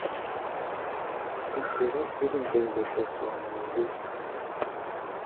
A̧ sirá sǐr gbɛmgbɛkɛ sɔɔ gée.